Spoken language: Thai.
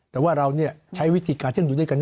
แต่ว่าเรานี่ใช้วิสิทธิ์ที่อยู่ด้วยกัน